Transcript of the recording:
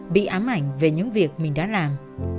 bị ám ảnh về những việc mình đã làm